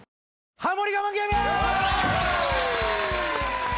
ハモリ我慢ゲーム！